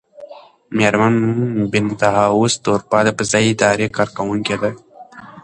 مېرمن بینتهاوس د اروپا د فضايي ادارې کارکوونکې ده.